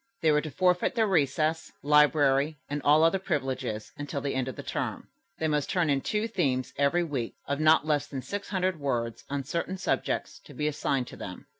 They were to forfeit their recess, library and all other privileges until the end of the term. They must turn in two themes every week of not less than six hundred words on certain subjects to be assigned to them.